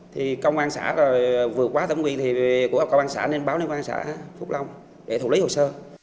thì công an xã vừa quá tổng quyền thì cũng có công an xã nên báo lên công an xã phước long để thủ lý hồ sơ